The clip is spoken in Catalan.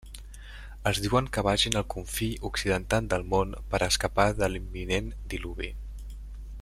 Els diuen que vagin al confí occidental del món per a escapar de l'imminent Diluvi.